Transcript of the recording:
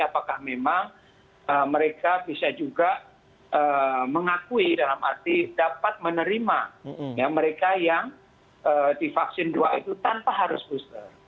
apakah memang mereka bisa juga mengakui dalam arti dapat menerima mereka yang divaksin dua itu tanpa harus booster